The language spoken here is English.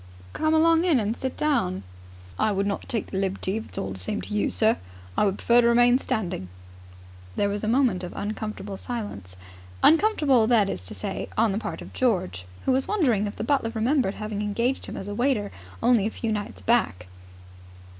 "Come along in and sit down." "I would not take the liberty, if it is all the same to you, sir. I would prefer to remain standing." There was a moment of uncomfortable silence. Uncomfortable, that is to say, on the part of George, who was wondering if the butler remembered having engaged him as a waiter only a few nights back.